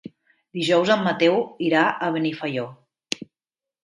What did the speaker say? Dijous en Mateu irà a Benifaió.